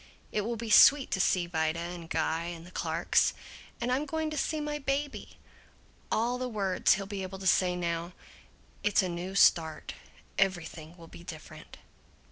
It will be sweet to see Vida and Guy and the Clarks. And I'm going to see my baby! All the words he'll be able to say now! It's a new start. Everything will be different!"